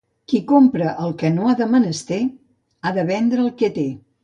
Qui compra el que no ha de menester ha de vendre el que té.